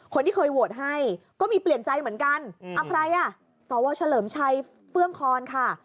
คนที่เคยโหวตให้ก็มีเปลี่ยนใจเหมือนกันเอาใครอ่ะสวเฉลิมชัยเฟื่องคอนค่ะ